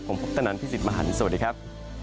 ผมพุทธนันพี่สิทธิ์มหันฯสวัสดีครับ